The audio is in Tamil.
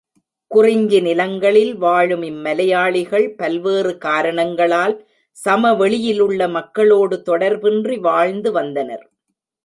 குறிஞ்சி நிலங்களில் வாழும் இம் மலையாளிகள் பல்வேறு காரணங்களால் சமவெளியிலுள்ள மக்களோடு தொடர்பின்றி வாழ்ந்து வந்தனர்.